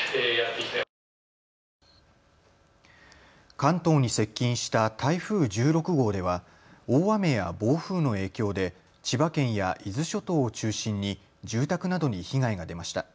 関東に接近した台風１６号では大雨や暴風の影響で千葉県や伊豆諸島を中心に住宅などに被害が出ました。